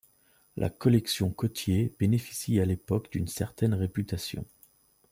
La collection Cottier bénéficie à l'époque d'une certaine réputation.